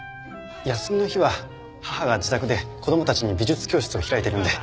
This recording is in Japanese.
休みの日は母が自宅で子供たちに美術教室を開いてるんで。